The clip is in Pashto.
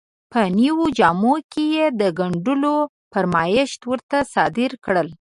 په نویو جامو کې یې د ګنډلو فرمایشات ورته صادر کړل.